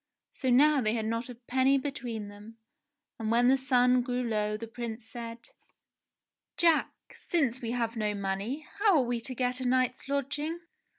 So now they had not a penny between them, and when the sun grew low the Prince said : "Jack ! Since we have no money how are we to get a night's lodging